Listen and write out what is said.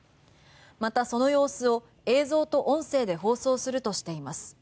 また、その様子を映像と音声で放送するとしています。